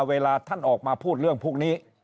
เวลาท่านออกมาพูดเรื่องพวกนี้